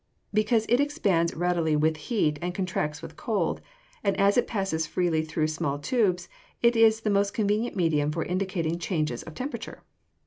_ Because it expands readily with heat, and contracts with cold; and as it passes freely through small tubes, it is the most convenient medium for indicating changes of temperature.